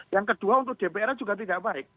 yang kedua untuk dpr juga tidak baik